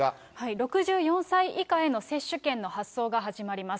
６４歳以下への接種券の発送が始まります。